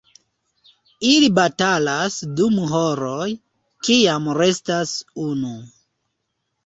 Ili batalas dum horoj, kiam restas unu.